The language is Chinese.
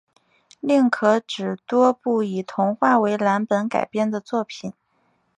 另可指多部以童话为蓝本改编的作品